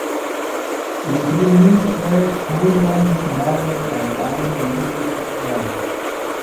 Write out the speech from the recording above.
It is his first full-length novel, and only major fictional work.